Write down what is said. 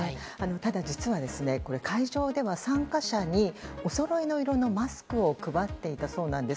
ただ、実は会場では参加者におそろいの色のマスクを配っていたそうなんです。